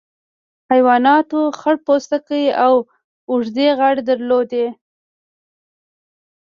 حیواناتو خړ پوستکي او اوږدې غاړې درلودې.